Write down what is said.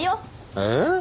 ええ？